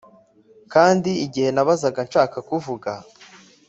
kandi igihe nabazaga, nshaka kuvuga